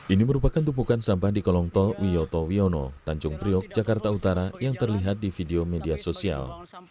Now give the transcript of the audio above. ini merupakan tumpukan sampah di kolong tol wiyoto wiono tanjung priok jakarta utara yang terlihat di video media sosial